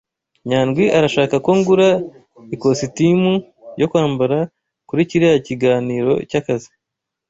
Nyandwi arashaka ko ngura ikositimu yo kwambara kuri kiriya kiganiro cyakazi.